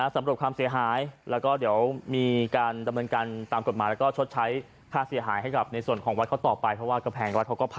ถ้าอยากเป็นกัน